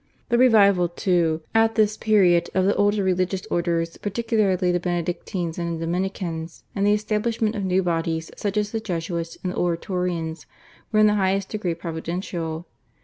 The revival, too, at this period of the older religious orders, particularly the Benedictines and the Dominicans, and the establishment of new bodies such as the Jesuits and the Oratorians were in the highest degree providential.